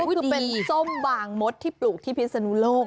ก็คือเป็นส้มบางมดที่ปลูกที่พิศนุโลก